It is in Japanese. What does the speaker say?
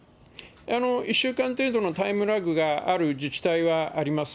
１週間程度のタイムラグがある自治体はあります。